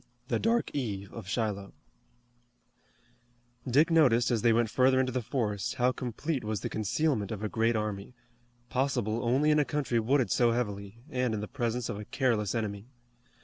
THE DARK EVE OF SHILOH Dick noticed as they went further into the forest how complete was the concealment of a great army, possible only in a country wooded so heavily, and in the presence of a careless enemy.